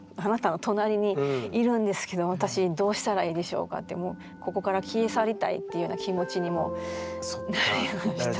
私どうしたらいいでしょうかってもうここから消え去りたいっていうような気持ちにもなりましたし。